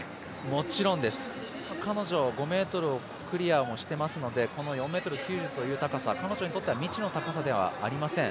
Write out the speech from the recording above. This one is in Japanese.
もちろんです彼女は５ｍクリアもしていますのでこの４ｍ９０という高さ彼女にとっては未知の高さではありません。